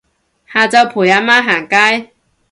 下晝陪阿媽行街